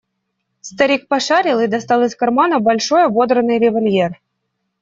Старик пошарил и достал из кармана большой ободранный револьвер.